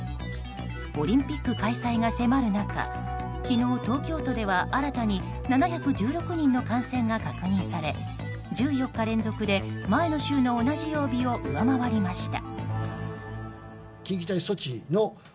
オリンピック開催が迫る中昨日、東京都では新たに７１６人の感染が確認され１４日連続で前の週の同じ曜日を上回りました。